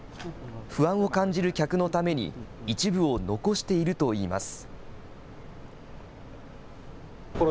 不安を感じる客のために一部を残しているといいます。